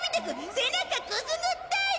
背中くすぐったいって！